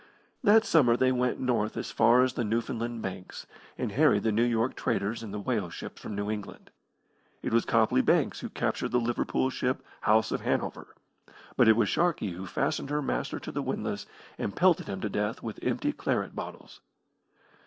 That summer they went north as far as the Newfoundland Banks, and harried the New York traders and the whale ships from New England. It was Copley Banks who captured the Liverpool ship, House of Hanover, but it was Sharkey who fastened her master to the windlass and pelted him to death with empty claret bottles.